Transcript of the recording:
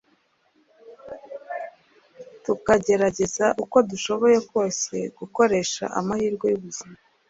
Tukagerageza uko dushoboye kose gukoresha amahirwe y’ubuzima